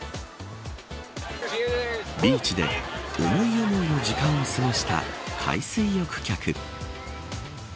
ビーチで思い思いの時間を過ごした海水浴客。